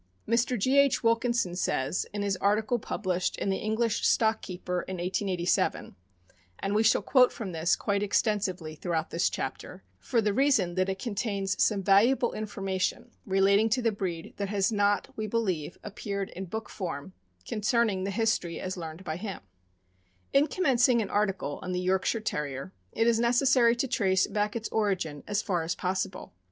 Mr. G. H. Wilkinson says, in his article published in the English Stock Keeper in 1887 — and we shall quote from this quite extensively throughout this chapter, for the reason that it contains some valuable information relating to the breed that has not, we believe, appeared in book form— concerning the history as learned by him : In commencing an article on the Yorkshire Terrier, it is necessary to trace back its origin as far as possible.